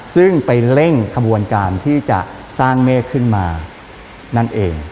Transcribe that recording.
ซึ่งไปเร่งขบวนการที่จะสร้างเมฆขึ้นมานั่นเอง